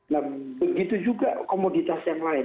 nah begitu juga komoditas yang lain